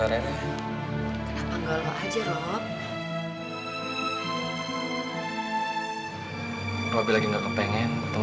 terima kasih om